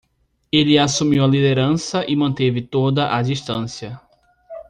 Ele assumiu a liderança e manteve toda a distância.